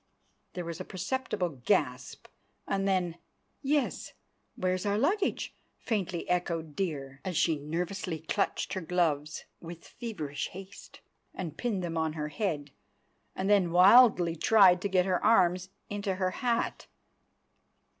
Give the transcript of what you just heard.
_" There was a perceptible gasp—and then, "Yes; where's our luggage?" faintly echoed Dear, as she nervously clutched her gloves with feverish haste and pinned them on her head, and then wildly tried to get her arms into her hat.